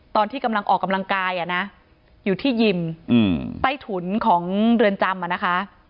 ตอนที่กำลังออกกำลังกายอยู่ที่ยิมใต้ถุนของเรือนจำอ่ะนะคะ